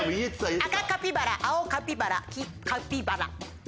赤カピバラ青カピバラ黄カピバラ。